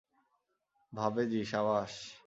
ভাবিজি, সাবাস।